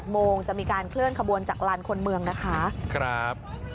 โมงจะมีการเคลื่อนขบวนจากลานคนเมืองนะคะ